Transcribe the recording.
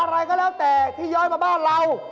อะไรก็แล้วแต่ที่ย้อยมาบ้านเรา